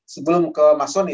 sebelum ke mas soni